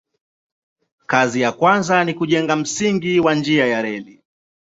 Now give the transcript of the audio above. Kazi ya kwanza ni kujenga msingi wa njia ya reli.